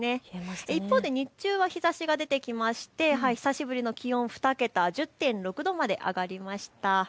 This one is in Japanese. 一方で日中は日ざしが出てきまして久しぶりに気温２桁１０．６度まで上がりました。